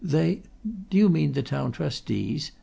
They " "Do you mean the Town Trustees?"